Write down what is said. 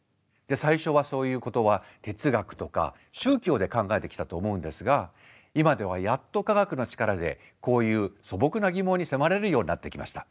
最初はそういうことは哲学とか宗教で考えてきたと思うんですが今ではやっと科学の力でこういう素朴な疑問に迫れるようになってきました。